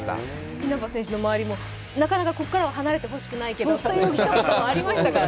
稲葉選手の周りもなかなかここからは離れてほしくないけどって言葉もありましたけどね。